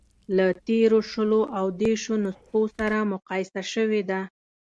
له تېرو شلو او دېرشو نسخو سره مقایسه شوې ده.